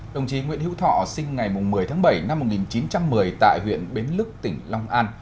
đồng chí nguyễn hữu thọ sinh ngày một mươi tháng bảy năm một nghìn chín trăm một mươi tại huyện bến lức tỉnh long an